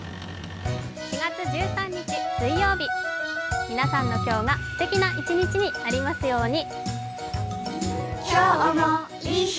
４月１３日水曜日皆さんの今日がすてきな一日になりますように。